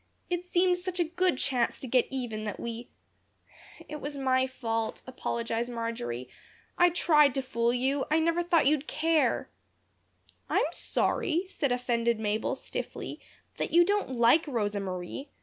It seemed such a good chance to get even that we " "It was my fault," apologized Marjory. "I tried to fool you. I never thought you'd care." "I'm sorry," said offended Mabel, stiffly, "that you don't like Rosa Marie.